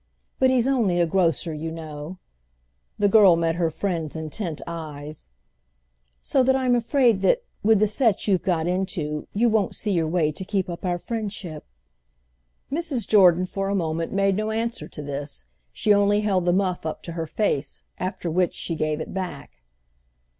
But he's only a grocer, you know"—the girl met her friend's intent eyes—"so that I'm afraid that, with the set you've got into, you won't see your way to keep up our friendship." Mrs. Jordan for a moment made no answer to this; she only held the muff up to her face, after which she gave it back.